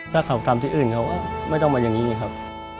ถ้าเขากรรมที่อื่นเขาก็ไม่ต้องมาอย่างนี้ครับ